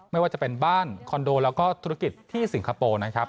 ไม่ว่าจะเป็นบ้านคอนโดแล้วก็ธุรกิจที่สิงคโปร์นะครับ